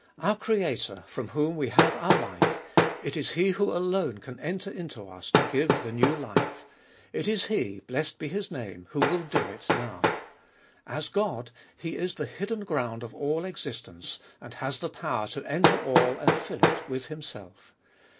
Our Creator, from whom we have our life — it is He who alone can enter into us to give the new life ; it is He, blessed be His name, who will do it now. As God, He is the hidden ground of all existence, and has the power to enter all and fill it with Himself.